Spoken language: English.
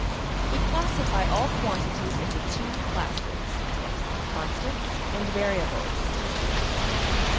We classify all quantities into two classes: \emph{constants} and \emph{variables}.